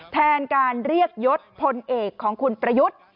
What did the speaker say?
แทนการเรียกยศพลเอกของคุณประยุทธ์